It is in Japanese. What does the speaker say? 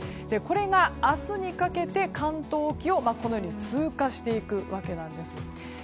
これが明日にかけて関東沖をこのように通過していくわけなんです。